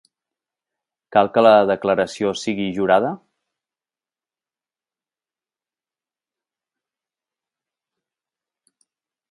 Cal que la declaració sigui jurada?